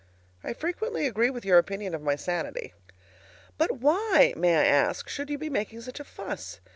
I frequently agree with your opinion of my sanity. But why, may I ask, should you be making such a fuss?